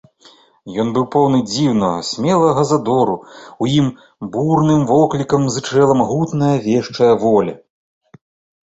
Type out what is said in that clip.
Ён быў поўны дзіўнага, смелага задору, у ім бурным воклікам зычэла магутная вешчая воля.